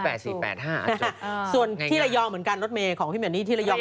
ส่วนรถแมงที่ย้ำเหมือนกันรถน้อยของพี่เม่อนี่ที่ยกเหมือนกัน